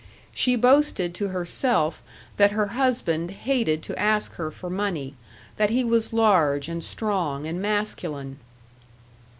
She boasted to herself that her husband hated to ask her for money, that he was large and strong and masculine.